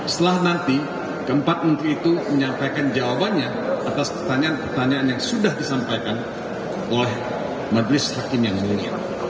setelah nanti keempat menteri itu menyampaikan jawabannya atas pertanyaan pertanyaan yang sudah disampaikan oleh majelis hakim yang mulia